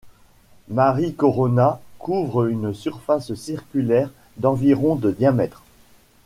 Mari Corona couvre une surface circulaire d'environ de diamètre.